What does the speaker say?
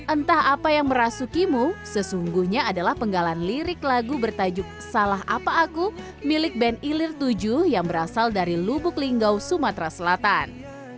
entah apa yang merasukimu sesungguhnya adalah penggalan lirik lagu bertajuk salah apa aku milik band ilir tujuh yang berasal dari lubuk linggau sumatera selatan